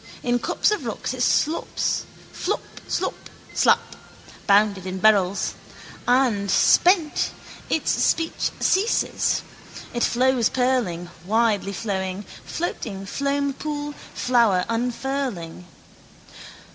In cups of rocks it slops: flop, slop, slap: bounded in barrels. And, spent, its speech ceases. It flows purling, widely flowing, floating foampool, flower unfurling.